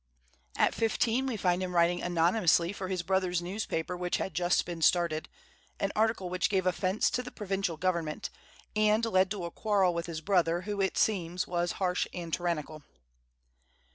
At fifteen we find him writing anonymously, for his brother's newspaper which had just been started, an article which gave offence to the provincial government, and led to a quarrel with his brother, who, it seems, was harsh and tyrannical.